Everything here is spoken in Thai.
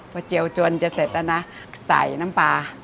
พอเจียวจนจะเสร็จแล้วนะใส่น้ำปลา